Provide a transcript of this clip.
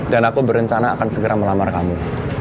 dan aku berencana akan segera melamar kamu